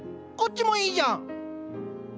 こっちもいいじゃん！